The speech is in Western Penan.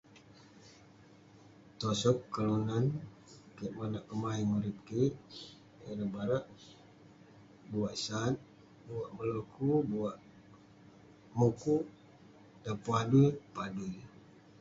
Tosog kelunan eh monak kemaeng ngem urip kik. Eh nebare ; buak sat, buak meloku, buak mukuk. Dan pun adui, padui.